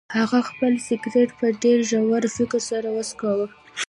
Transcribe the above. هغه خپل سګرټ په ډیر ژور فکر سره وڅکاوه.